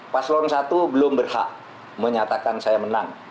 paslon satu belum berhak menyatakan saya menang